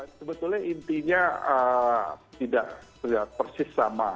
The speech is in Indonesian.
sebetulnya intinya tidak persis sama